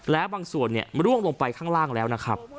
แล้วบางส่วนร่วงลงไปข้างล่างแล้วนะครับ